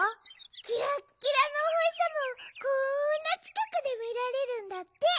きらっきらのおほしさまをこんなちかくでみられるんだって。